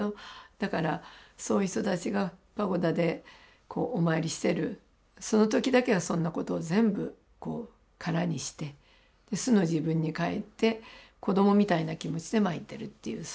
だからそういう人たちがパゴダでお参りしてるその時だけはそんなことを全部空にして素の自分に返って子供みたいな気持ちで参ってるっていうそういうことですね。